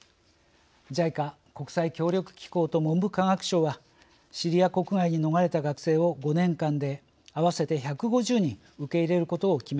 ＪＩＣＡ国際協力機構と文部科学省はシリア国外に逃れた学生を５年間で合わせて１５０人受け入れることを決め